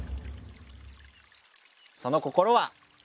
その心は？